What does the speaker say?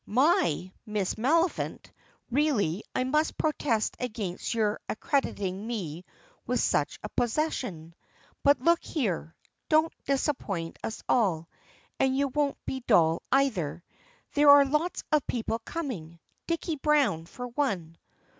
"My Miss Maliphant! Really I must protest against your accrediting me with such a possession. But look here, don't disappoint us all; and you won't be dull either, there are lots of people coming. Dicky Brown, for one."